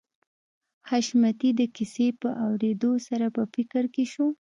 حشمتي د کيسې په اورېدو سره په فکر کې شو